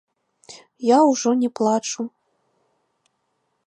Я ўжо не плачу.